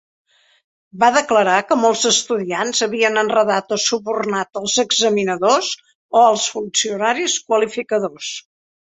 Va declarar que molts estudiants havien enredat o subornat als examinadors o als funcionaris qualificadors.